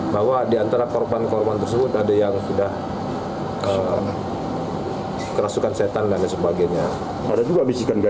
bahwa di antara korban korban tersebut ada yang sudah kerasukan setan dan sebagainya